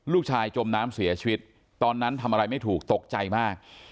จมน้ำเสียชีวิตตอนนั้นทำอะไรไม่ถูกตกใจมาก